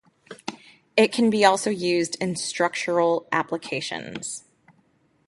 It can be also used in structural applications.